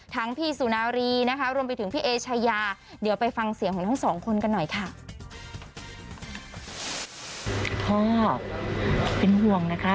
พี่สุนารีนะคะรวมไปถึงพี่เอชายาเดี๋ยวไปฟังเสียงของทั้งสองคนกันหน่อยค่ะ